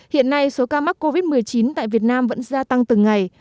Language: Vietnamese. hiện nay số ca mắc covid một mươi chín tại việt nam vẫn gia tăng từng ngày